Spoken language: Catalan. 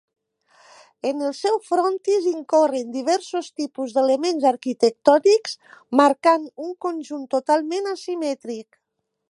En el seu frontis incorren diversos tipus d'elements arquitectònics, marcant un conjunt totalment asimètric.